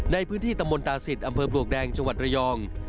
ในพื้นที่ตำบลตาศิษย์อำเภอปลวกแดงจังหวัดระยอง